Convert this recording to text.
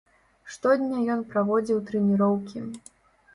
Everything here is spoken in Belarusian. Штодня ён праводзіў трэніроўкі.